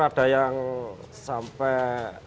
ada yang sampai